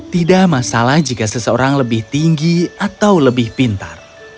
tidak masalah jika seseorang lebih tinggi atau lebih pintar